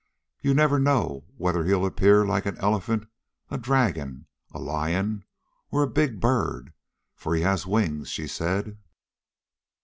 "You never know whether he'll appear like an elephant, a dragon, a lion or a big bird, for he has wings," she said.